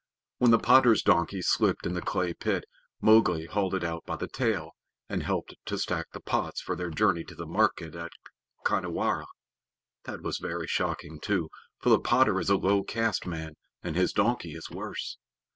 When the potter's donkey slipped in the clay pit, Mowgli hauled it out by the tail, and helped to stack the pots for their journey to the market at Khanhiwara. That was very shocking, too, for the potter is a low caste man, and his donkey is worse.